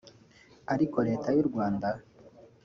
ariko Leta y’u Rwanda